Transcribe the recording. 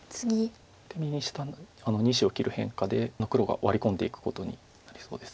右下のあの２子を切る変化で黒がワリ込んでいくことになりそうです。